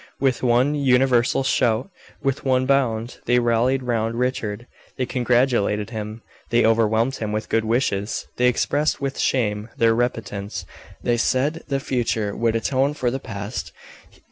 With one universal shout, with one bound, they rallied round Richard; they congratulated him; they overwhelmed him with good wishes; they expressed with shame their repentance; they said the future would atone for the past.